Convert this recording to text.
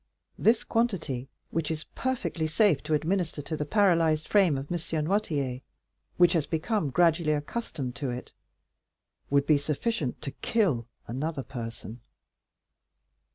This quantity, which is perfectly safe to administer to the paralyzed frame of M. Noirtier, which has become gradually accustomed to it, would be sufficient to kill another person."